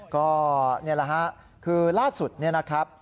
ก็นี่แหละฮะคือล่าสุดเนี่ยนะครับ